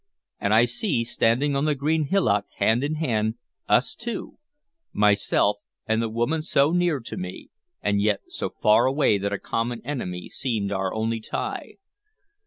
And I see, standing on the green hillock, hand in hand, us two, myself and the woman so near to me, and yet so far away that a common enemy seemed our only tie.